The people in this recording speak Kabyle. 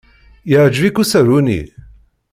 Yeɛjeb-ik usaru-nni?